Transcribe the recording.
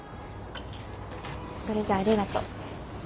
それじゃありがと。